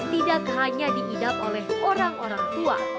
tidak hanya diidap oleh orang orang tua